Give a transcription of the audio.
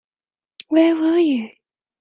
Where were you?